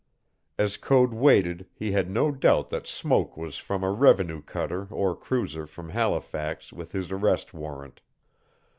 As Code waited he had no doubt that smoke was from a revenue cutter or cruiser from Halifax with his arrest warrant.